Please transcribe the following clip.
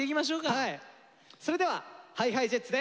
それではＨｉＨｉＪｅｔｓで。